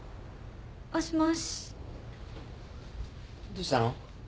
どうしたの？